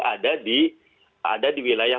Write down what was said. ada di ada di wilayah